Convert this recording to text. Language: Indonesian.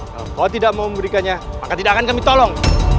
kalau kau tidak mau memberikannya maka tidak akan kami tolong